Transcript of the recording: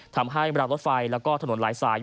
ทำให้บริเวณรถไฟและถนนหลายสาย